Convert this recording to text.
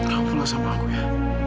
kamu pulang sama aku ya